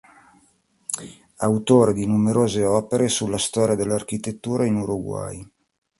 Autore di numerose opere sulla storia dell'architettura in Uruguay.